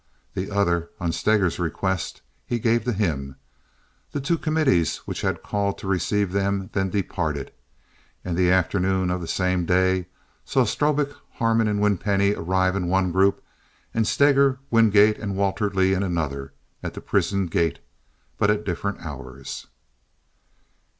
The other, on Steger's request, he gave to him. The two committees which had called to receive them then departed; and the afternoon of that same day saw Strobik, Harmon, and Winpenny arrive in one group, and Steger, Wingate, and Walter Leigh in another, at the prison gate, but at different hours.